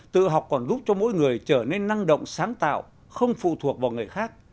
tự học còn giúp cho mỗi người trở nên năng động sáng tạo không phụ thuộc vào người khác